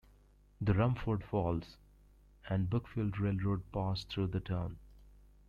The Rumford Falls and Buckfield Railroad passed through the town.